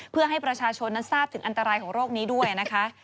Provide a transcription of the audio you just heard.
เพื่อให้ประชาชนนั้นทราบถึงอันตรายของโรคนี้ด้วยนะคะ